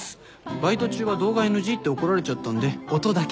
バイト中は動画ＮＧって怒られちゃったんで音だけに集中してて。